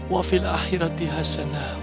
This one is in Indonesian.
wa fil akhirati hasanah